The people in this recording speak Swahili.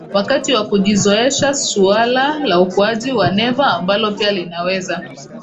wakati wa kujizoeshaSuala la ukuaji wa neva ambalo pia linaweza